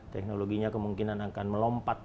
teknologinya kemungkinan akan melompat